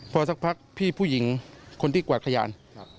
พอสักพักพี่ผู้หญิงคนที่กวาดขยาน